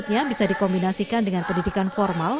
yang bisa dikombinasikan dengan pendidikan formal